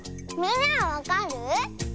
みんなはわかる？